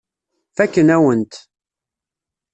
Fakken-awen-t.